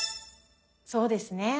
そうですね。